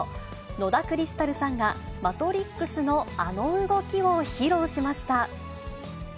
野田クリスタルさんが、マトリックスのあの動きを披露しました。